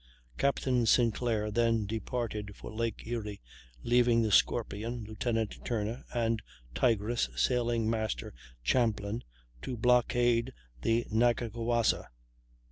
Captain Sinclair then departed for Lake Erie, leaving the Scorpion, Lieutenant Turner, and Tigress, Sailing master Champlin, to blockade the Nattagawassa.